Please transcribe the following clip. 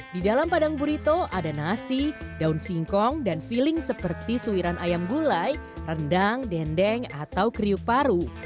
di dalam padang burito ada nasi daun singkong dan feeling seperti suiran ayam gulai rendang dendeng atau kriuk paru